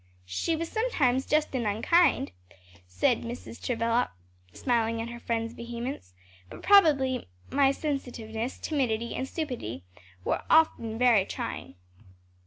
"She was sometimes unjust and unkind," said Mrs. Travilla, smiling at her friend's vehemence, "but probably my sensitiveness, timidity and stupidity, were often very trying."